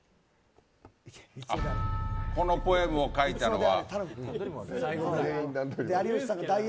このポエムを書いたのは。